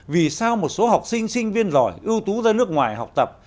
vì sao một số học sinh sinh viên giỏi ưu tú ra nước ngoài học tập